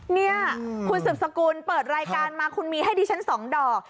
เนี่ยคุณสืบสกุลเปิดรายการมาคุณมีให้ดิฉัน๒ดอก